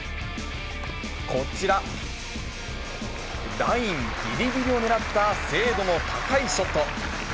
こちら、ラインぎりぎりを狙った、精度の高いショット。